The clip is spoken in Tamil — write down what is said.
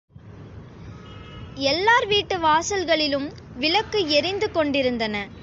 எல்லார் வீட்டு வாசல்களிலும் விளக்கு எரிந்து கொண்டிருந்தன.